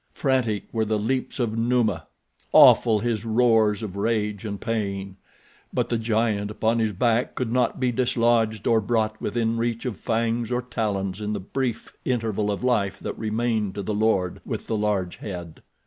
Frantic were the leaps of Numa—awful his roars of rage and pain; but the giant upon his back could not be dislodged or brought within reach of fangs or talons in the brief interval of life that remained to the lord with the large head.